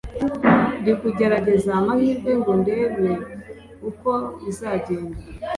Ndikugerageza amahirwe ngo ndebe uko bizagenda